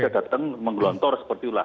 dia datang menggelontor seperti ulah